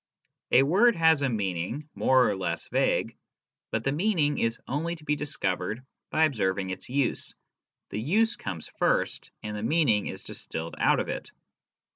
A word has a meaning, more or less vague ; but the meaning is only to be discovered by observing its use : the use comes first, and the meaning is distilled out of it.